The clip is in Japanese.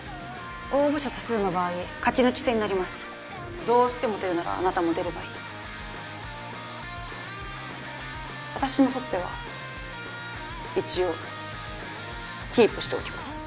応募者多数の場合勝ち抜き戦になりますどうしてもと言うならあなたも出ればいい私のほっぺは一応キープしておきます